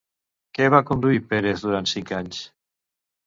Què va conduir Pérez durant cinc anys?